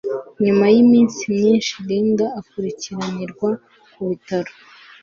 Nyuma yiminsi myinshi Linda akurikiranirwa ku bitaro